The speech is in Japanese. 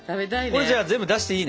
これじゃあ全部出していいね。